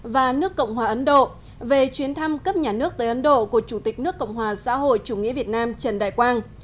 và nước cộng hòa ấn độ về chuyến thăm cấp nhà nước tới ấn độ của chủ tịch nước cộng hòa xã hội chủ nghĩa việt nam trần đại quang